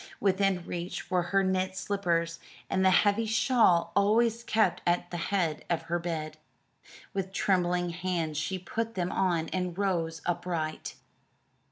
Within reach were her knit slippers and the heavy shawl always kept at the head of her bed. With trembling hands she put them on and rose upright.